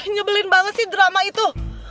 nyebelin banget sih drama itu